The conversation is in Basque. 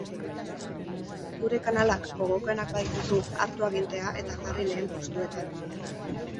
Gure kanalak gogokoenak badituzu, hartu agintea eta jarri lehen postuetan.